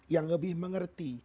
yang lebih mengerti